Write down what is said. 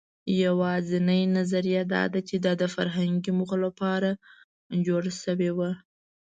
یواځینۍ نظریه دا ده، چې دا د فرهنګي موخو لپاره جوړ شوي وو.